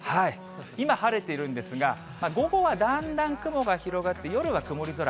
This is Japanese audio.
今晴れているんですが、午後はだんだん雲が広がって、夜は曇り空。